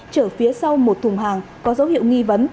chở phía sau một thùng hàng có dấu hiệu nghi vấn